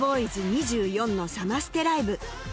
２４のサマステライブ